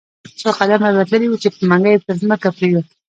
څو قدمه به تللی وو، چې منګی پر مځکه پریووت.